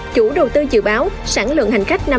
chủ đầu tư dự báo sẵn lượng hành khách năm ngày